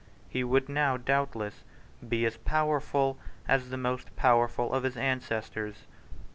He would now, doubtless, be as powerful as the most powerful of his ancestors.